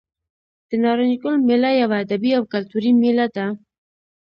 د نارنج ګل میله یوه ادبي او کلتوري میله ده.